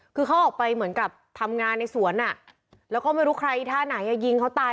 คือเขาออกไปเหมือนกับทำงานในสวนแล้วก็ไม่รู้ใครท่าไหนยิงเขาตาย